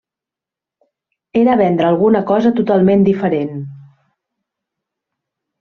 Era vendre alguna cosa totalment diferent.